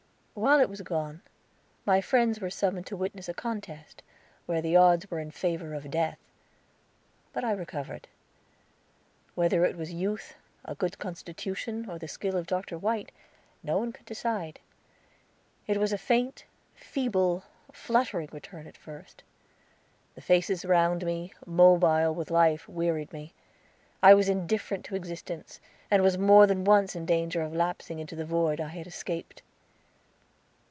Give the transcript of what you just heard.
While it was gone, my friends were summoned to witness a contest, where the odds were in favor of death. But I recovered. Whether it was youth, a good constitution, or the skill of Dr. White, no one could decide. It was a faint, feeble, fluttering return at first. The faces round me, mobile with life, wearied me. I was indifferent to existence, and was more than once in danger of lapsing into the void I had escaped.